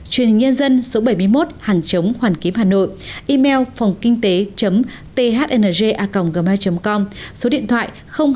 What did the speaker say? truyền hình nhân dân số bảy mươi một hàng chống hoàn kiếm hà nội email phongkinhte thnja gmail com số điện thoại hai nghìn bốn trăm linh ba hai trăm sáu mươi sáu chín nghìn năm trăm linh ba